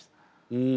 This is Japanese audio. うん。